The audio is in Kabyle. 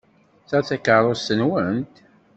Ta d takeṛṛust-nwent?